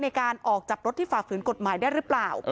ในการออกจากรถที่ฝ่าฝืนกฎหมายได้หรือเปล่า